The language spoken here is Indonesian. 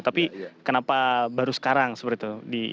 tapi kenapa baru sekarang seperti itu